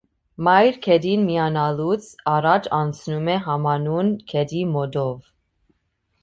Մայր գետին միանալուց առաջ անցնում է համանուն գետի մոտով։